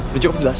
udah cukup jelas